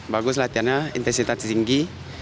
bagus latihannya intensitas tinggi